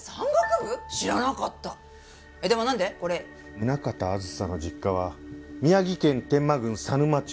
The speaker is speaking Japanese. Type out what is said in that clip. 宗形あずさの実家は宮城県天馬郡砂沼町。